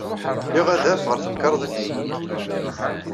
Liɣ adaf ɣer temkarḍit-nwent.